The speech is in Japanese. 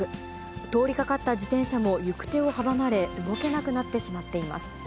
通りかかった自転車も行く手を阻まれ、動けなくなってしまっています。